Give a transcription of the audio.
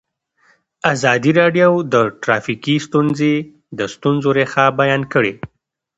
ازادي راډیو د ټرافیکي ستونزې د ستونزو رېښه بیان کړې.